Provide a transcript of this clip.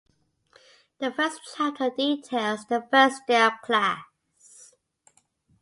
The first chapter details the first day of class.